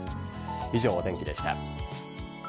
以上お天気でした。